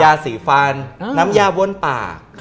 ยาสีฟันน้ำยาบนปาก